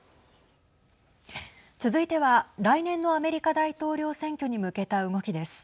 続いては来年のアメリカ大統領選挙に向けた動きです。